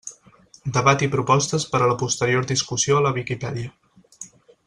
Debat i propostes per a la posterior discussió a la Viquipèdia.